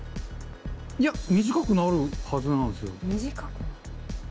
いや短くなるはずなんすよ。短く？